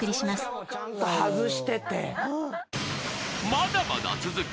［まだまだ続く。